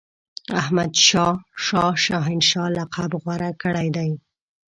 احمدشاه شاه هنشاه لقب غوره کړی دی.